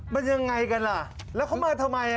มันยังไงกันล่ะแล้วเขามาทำไม